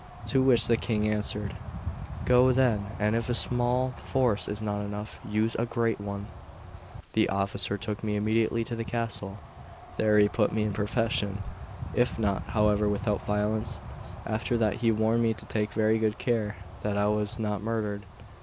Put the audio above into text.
To which the King answered: "Go, then, and if a small force is not enough, use a great one." The officer took me immediately to the castle, and there put me in possession, not, however, without violence; after that he warned me to take very good care that I was not murdered.